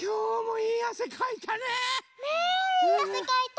いいあせかいた。